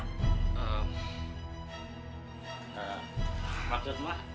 ehm maksudnya apa